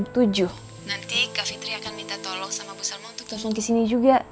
nanti kak fitri akan minta tolong sama bu salma untuk telfon kesini juga